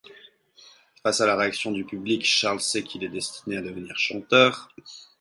Face à la réaction du public, Charles sait qu'il est destiné à devenir chanteur.